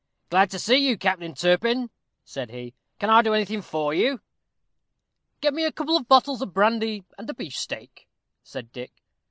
"Glad to see you, Captain Turpin," said he; "can I do anything for you?" "Get me a couple of bottles of brandy and a beefsteak," said Dick.